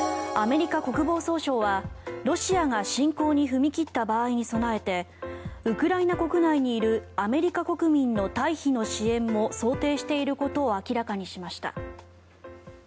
アメリカ国防総省は、ロシアが侵攻に踏み切った場合に備えてウクライナ国内にいるアメリカ国民の退避の支援も想定していることを明らかにしました。